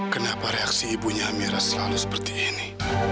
kenapa reaksi ibunya miras selalu seperti ini